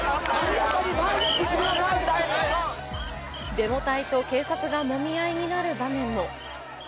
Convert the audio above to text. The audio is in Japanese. デモ隊と警察がもみ合いになる場面も。